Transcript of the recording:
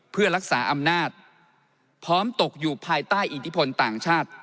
เพื่อรักษาอำนาจพร้อมตกอยู่ภายใต้อิทธิพลต่างชาติ